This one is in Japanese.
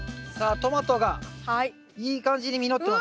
トマトがいい感じに実ってますよ。